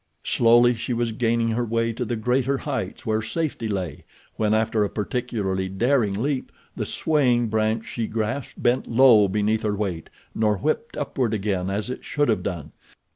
Slowly she was gaining her way to the greater heights where safety lay, when, after a particularly daring leap, the swaying branch she grasped bent low beneath her weight, nor whipped upward again as it should have done.